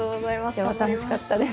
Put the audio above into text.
今日は楽しかったです。